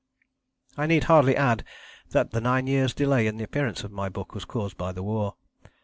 I need hardly add that the nine years' delay in the appearance of my book was caused by the war.